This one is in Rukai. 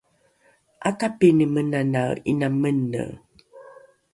’akapini menanae ’ina mene?